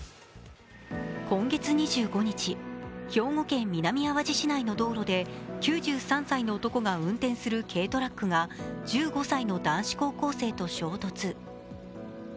今月２５日、兵庫県南あわじ市内の道路で９３歳の男が運転する軽トラックが１５歳の男子高校生と衝突。